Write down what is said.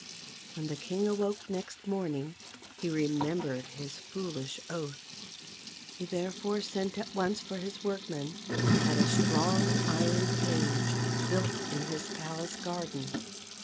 When the king awoke next morning he remem bered his foolish oath. He therefore sent at once for his workmen, and had a strong iron cage built in his palace garden.